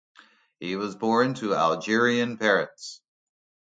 He was born to Algerian parents.